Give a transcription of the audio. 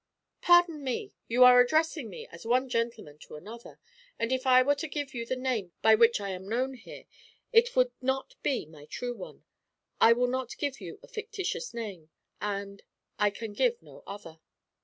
'Pardon me. You are addressing me as one gentleman to another, and if I were to give you the name by which I am known here it would not be my true one. I will not give you a fictitious name, and I can give no other.'